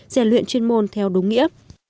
dè luyện chuyên môn theo đúng nghĩa